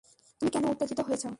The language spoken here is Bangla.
তুমি কেন উত্তেজিত হয়েছ?